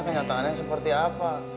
kenyataannya seperti apa